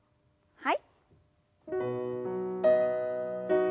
はい。